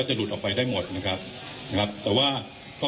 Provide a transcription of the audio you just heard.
คุณผู้ชมไปฟังผู้ว่ารัฐกาลจังหวัดเชียงรายแถลงตอนนี้ค่ะ